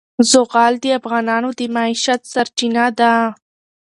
زغال د افغانانو د معیشت سرچینه ده.